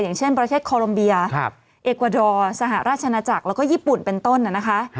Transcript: อย่างเช่นประเทศคอลมเบียเอกวาดอร์สหราชนาจักรแล้วก็ญี่ปุ่นเป็นต้นนะคะ